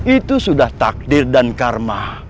itu sudah takdir dan karma